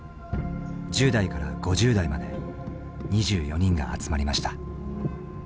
１０代から５０代まで２４人が集まりました。